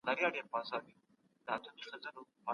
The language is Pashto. ماشومان یوازې اوبو ته مه پرېږدئ.